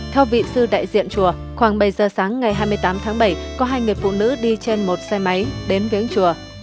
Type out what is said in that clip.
theo vị sư đại diện chùa khoảng bảy giờ sáng ngày hai mươi tám tháng bảy có hai người phụ nữ đi trên một xe máy đến viếng chùa